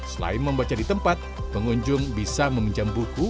selain membaca di tempat pengunjung bisa meminjam buku